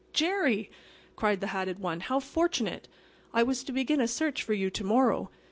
"Jerry!" cried the hatted one. "How fortunate! I was to begin a search for you to morrow.